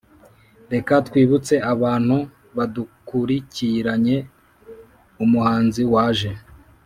reka twibutse abantu badukurikiranye umuhanzi waje